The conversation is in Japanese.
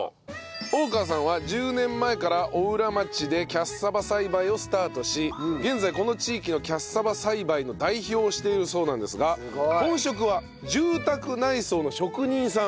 大川さんは１０年前から邑楽町でキャッサバ栽培をスタートし現在この地域のキャッサバ栽培の代表をしているそうなんですが本職は住宅内装の職人さん。